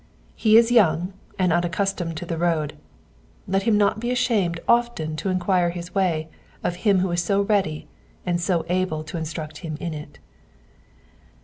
He is young and unaccustomed to the road, let him not be ashamed often to enquire his way of him who is so ready and so able to instruct him in it.